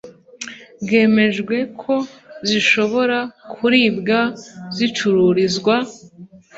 Byemejwe ko zishobora kuribwa zicururizwa